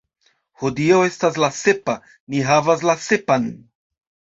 Hodiaŭ estas la sepa, ni havas la sepan.